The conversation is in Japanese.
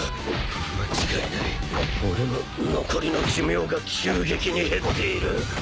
間違いない俺の残りの寿命が急激に減っている。